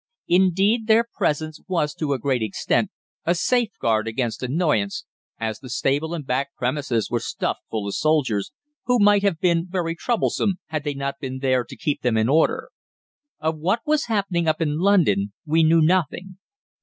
Indeed, their presence was to a great extent a safeguard against annoyance, as the stable and back premises were stuffed full of soldiers, who might have been very troublesome had they not been there to keep them in order. "Of what was happening up in London we knew nothing.